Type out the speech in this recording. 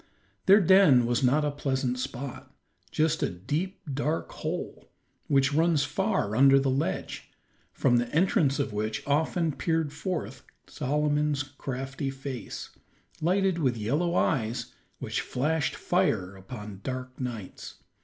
Their den was not a pleasant spot; just a deep, dark hole, which runs far under the ledge, from the entrance of which often peered forth Solomon's crafty face, lighted with yellow eyes which flashed fire upon dark nights.